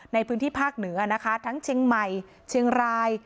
ในพื้นที่ภาคเหนือนะคะทั้งเชียงใหม่เชียงราย